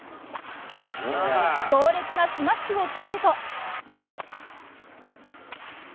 強烈なスマッシュを決めると。